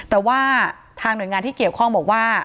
แต่ว่าทางหน่วยงานที่เกี่ยวข้องบอกว่า